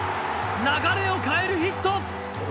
流れを変えるヒット。